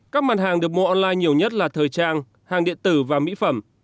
các mặt hàng được mua online nhiều nhất là thời trang hàng điện tử và mỹ phẩm